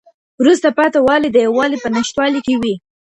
وروسته پاته والی د یووالي په نشتوالي کي وي.